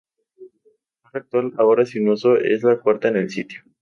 La torre actual, ahora sin uso, es la cuarta en el sitio.